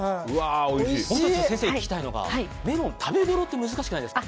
先生に聞きたいのがメロンの食べごろって難しくないですか？